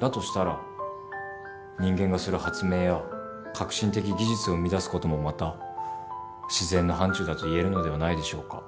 だとしたら人間がする発明や革新的技術を生み出すこともまた自然の範ちゅうだと言えるのではないでしょうか。